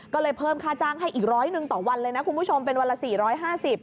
ก็เลยเพิ่มค่าจ้างให้อีกร้อยหนึ่งต่อวันเลยนะคุณผู้ชมเป็นวันละ๔๕๐บาท